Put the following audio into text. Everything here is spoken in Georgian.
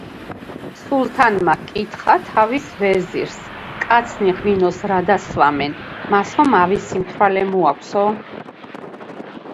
სულთანმა ჰკითხა თავის ვეზირს: კაცნი ღვინოს რადა სვამენ, მას ხომ ავი სიმთვრალე მოაქვსო?